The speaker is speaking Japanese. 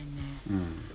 うん。